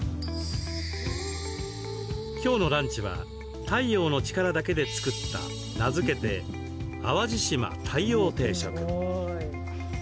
きょうのランチは太陽の力だけで作った、名付けて淡路島太陽定食。